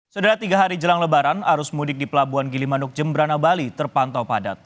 sudah tiga hari jelang lebaran arus mudik di pelabuhan gilimanuk jembrana bali terpantau padat